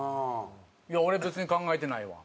「いや俺別に考えてないわ。